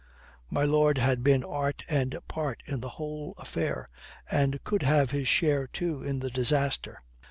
My lord had been art and part in the whole affair, and could have his share, too, in the disaster.